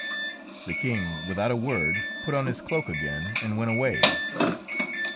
The King, without a word, put on his cloak again and went away.